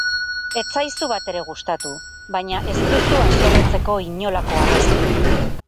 Ez zaizu batere gustatu, baina ez duzu haserretzeko inolako arrazoirik.